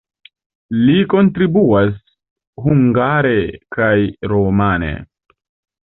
Li kontribuas hungare kaj rumane.